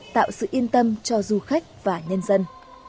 tạo sự yên tâm cho du khách và nhân dân